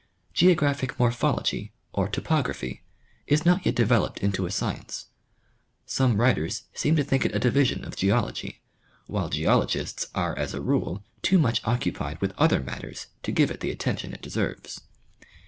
Geographic morphology, or topography, is not yet developed into a science. Some writers seem to think it a division of geology, while geologists are as a rule too much occupied with other mat ters to give it the attention it deserves.